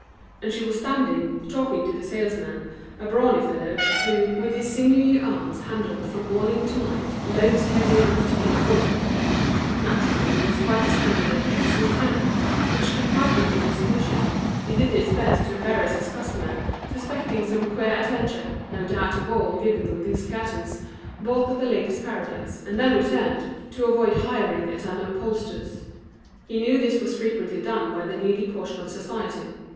And she was standing, talking to the salesman, a brawny fellow, who, with his sinewy arms handled from morning to night loads heavy enough to kill a bullock. Naturally he was quite astounded at this "return," which deprived him of his commission. He did his best to embarrass his customer, suspecting some queer adventure, no doubt a ball given with these curtains, bought at The Ladies' Paradise, and then returned, to avoid hiring at an upholsterer's: he knew this was frequently done by the needy portion of society.